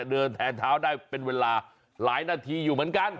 เดินแทนเท้าได้เป็นเวลาหลายนาทีอยู่เหมือนกัน